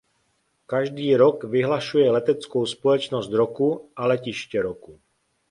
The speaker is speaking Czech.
Každý rok vyhlašuje leteckou společnost roku a letiště roku.